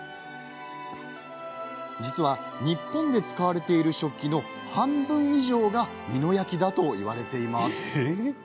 実は、日本で使われている食器の半分以上が美濃焼だといわれています。